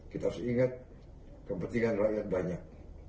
kita harus ingat kepentingan rakyat banyak